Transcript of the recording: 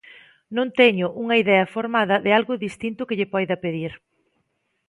Non teño unha idea formada de algo distinto que lle poida pedir.